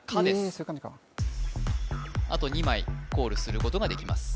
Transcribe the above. そういう感じかあと２枚コールすることができます